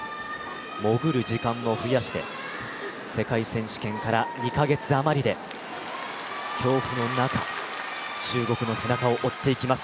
潜る時間を増やして世界選手権から２か月あまりで恐怖の中、中国の背中を追っていきます。